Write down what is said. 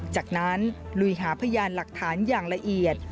จากนั้นลุยหาพยานหลักฐานอย่างละเอียด